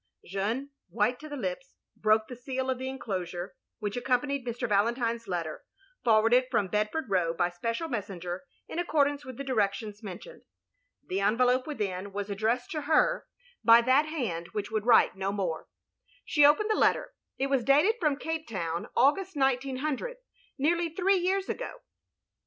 '* Jeanne, white to the lips, broke the seal of the enclosure, which accompanied Mr. Valentine's letter, forwarded from Bedford Row by special messenger, in accordance with the directions mentioned. The envelope within was addressed to her 319 320 THE LONELY LADY by that hand which would write no more. She opened the letter: it was dated from Cape town, August, 1900, — ^neariy three years ago.